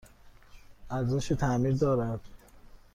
ارزش تعمیر دارد؟